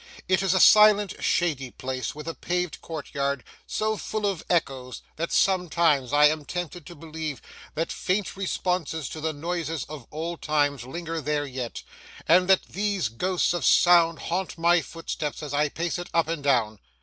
It is a silent, shady place, with a paved courtyard so full of echoes, that sometimes I am tempted to believe that faint responses to the noises of old times linger there yet, and that these ghosts of sound haunt my footsteps as I pace it up and down.